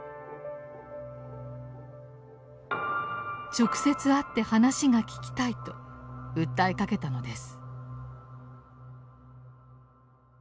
直接会って話が聞きたいと訴えかけたのです。